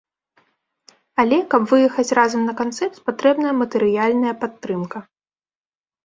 Але каб выехаць разам на канцэрт, патрэбна матэрыяльная падтрымка.